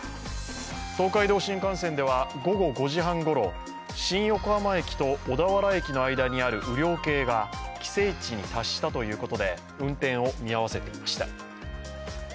東海道新幹線では午後５時半ごろ、新横浜駅と小田原駅の間にある雨量計が規制値に達したということで運転を見合わせていました。